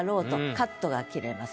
カットが切れます。